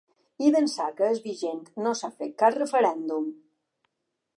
I d’ençà que és vigent no s’ha fet cap referèndum.